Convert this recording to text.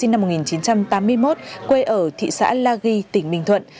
nguyễn thị mai sinh năm một nghìn chín trăm tám mươi một quê ở thị xã la ghi tỉnh bình thuận